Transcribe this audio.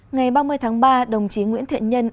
ngày ba mươi tháng ba đồng chí nguyễn thiện nhân